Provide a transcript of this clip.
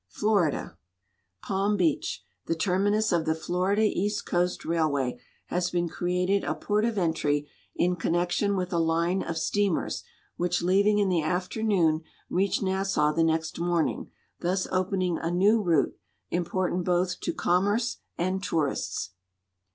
Florida. Palm Beach, the terminus of the Florida East Coast Railway, has been created a port of entry in connection with a line of steamers, which leaving in the afternoon reach Nassau the next morning, thus open ing a new route, important both to commerce and tourists.